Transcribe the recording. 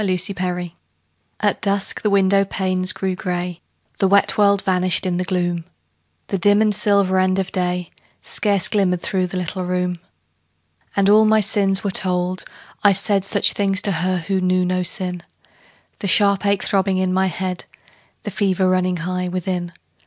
FORGIVENESS At dusk the window panes grew grey; The wet world vanished in the gloom; The dim and silver end of day Scarce glimmered through the little room. And all my sins were told; I said Such things to her who knew not sin The sharp ache throbbing in my head, The fever running high within.